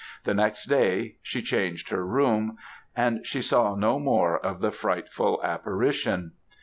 The next day, she changed her room, and she saw no more of the frightful apparition.